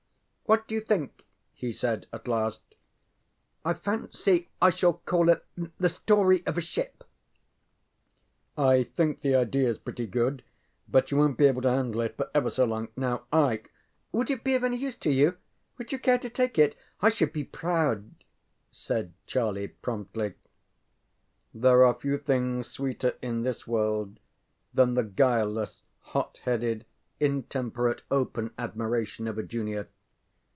ŌĆ£What do you think? ŌĆØ he said, at last. ŌĆ£I fancy I shall call it ŌĆśThe Story of a Ship.ŌĆÖŌĆØ ŌĆ£I think the ideaŌĆÖs pretty good; but you wonŌĆÖt be able to handle it for ever so long. Now I ŌĆØ ŌĆ£Would it be of any use to you? Would you care to take it? I should be proud, ŌĆØ said Charlie, promptly. There are few things sweeter in this world than the guileless, hot headed, intemperate, open admiration of a junior.